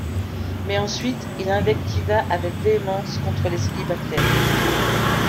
Mais ensuite il invectiva avec véhémence contre les célibataires.